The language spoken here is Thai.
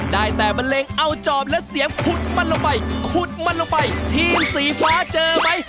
ได้แต่บันเลงเอาจอบและเสียงขุดมันลงไปขุดมันลงไปทีมสีฟ้าเจอไหม